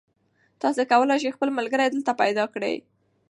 تاسي کولای شئ خپل ملګري دلته پیدا کړئ.